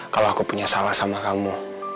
kalau aku punya salah sama kamu